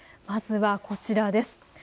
まずはこちらです。